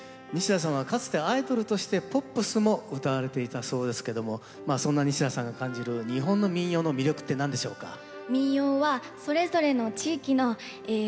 西田さんはかつてアイドルとしてポップスも歌われていたそうですけどもそんな西田さんが感じる日本の民謡の魅力って何でしょうか。